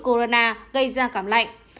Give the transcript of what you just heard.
corona gây ra cảm lạnh